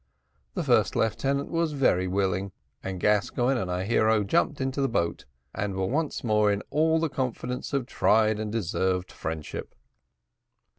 The first lieutenant was very willing, and Gascoigne and our hero jumped into the boat, and were once more in all the confidence of tried and deserved friendship.